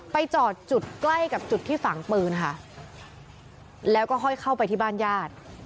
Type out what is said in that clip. จอดจุดใกล้กับจุดที่ฝังปืนค่ะแล้วก็ห้อยเข้าไปที่บ้านญาติ